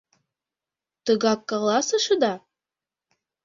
— Тыгак каласышыда?